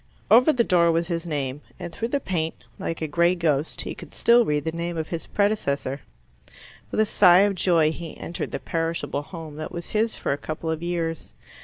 Over the door was his name, and through the paint, like a grey ghost, he could still read the name of his predecessor. With a sigh of joy he entered the perishable home that was his for a couple of years.